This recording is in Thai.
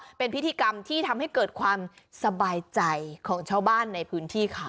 เป็นพิธีกรรมที่ทำให้เกิดความสบายใจของชาวบ้านในพื้นที่ค่ะ